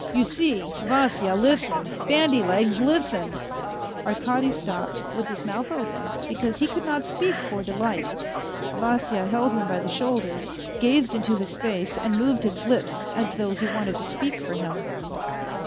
You see, Vasya listen, bandy legs, listen !..." Arkady stopped, with his mouth open, because he could not speak for delight. Vasya held him by the shoulders, gu/.ed into his face and moved his lips, as though he wanted to speak for him.